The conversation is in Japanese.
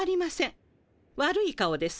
悪い顔です。